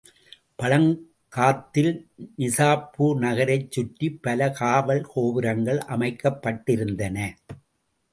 பழங்காத்தில் நிசாப்பூர் நகரைச் சுற்றிப் பல காவல் கோபுரங்கள் அமைக்கப்பட்டிருந்தன.